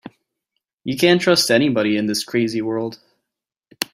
You can't trust anybody in this crazy world.